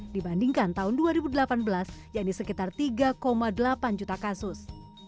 dibandingkan tahun dua ribu delapan belas yang di sekitar tiga delapan juta kasus